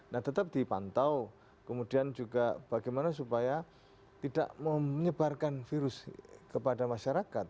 nah tetap dipantau kemudian juga bagaimana supaya tidak menyebarkan virus kepada masyarakat